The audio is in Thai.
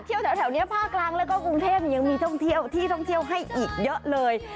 แถวนี้ภาคกลางแล้วก็กรุงเทพยังมีท่องเที่ยวที่ท่องเที่ยวให้อีกเยอะเลย